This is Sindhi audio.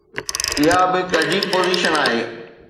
اها به هڪ عجيب پوزيشن آهي.